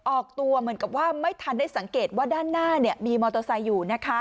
ออกตัวเหมือนกับว่าไม่ทันได้สังเกตว่าด้านหน้ามีมอเตอร์ไซค์อยู่นะคะ